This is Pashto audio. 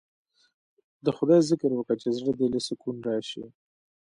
د خداى ذکر وکه چې زړه له دې سکون رايشي.